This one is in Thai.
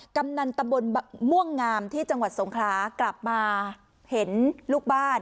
กำนันตะบนม่วงงามที่จังหวัดสงครากลับมาเห็นลูกบ้าน